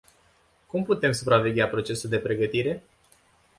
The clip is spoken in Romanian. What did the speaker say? Cum putem supraveghea procesul de pregătire?